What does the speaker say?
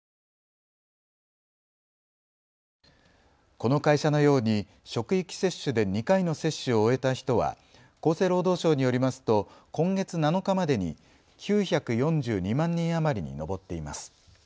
この会社のように職域接種で２回の接種を終えた人は厚生労働省によりますと今月７日までに９４２万人余りに上っています。